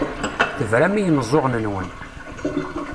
Tebram i yimeẓẓuɣen-nwen.